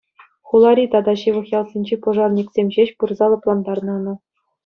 Хулари тата ҫывӑх ялсенчи пожарниксем ҫеҫ пырса лӑплантарнӑ ӑна.